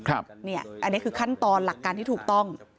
อันนี้คือขั้นตอนหลักการที่ถูกต้อง